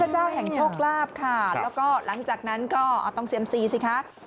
เจ้าแห่งโชคลาภค่ะแล้วก็หลังจากนั้นก็ต้องเซียมซีสิคะ